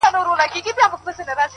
خدایه دې ماښام ته ډېر ستوري نصیب کړې,